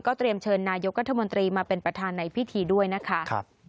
เตรียมเชิญนายกรัฐมนตรีมาเป็นประธานในพิธีด้วยนะคะ